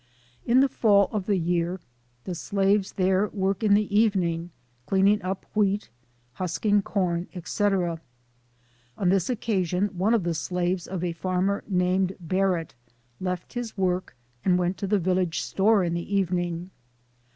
In the fall of the year, the slaves there work in the evening, cleaning up wheat, husking corn, etc. *On this occasion, one of the slaves of a farmer named Barrett, left his work, and went to the village store in the evening.